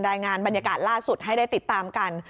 รายงานบรรยากาศล่าสุดให้ได้ติดตามกัน